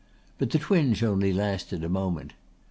But the twinge only lasted a moment.